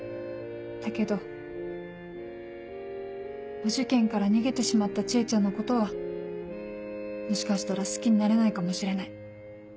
だけどお受験から逃げてしまった知恵ちゃんのことはもしかしたら好きになれないかもしれない。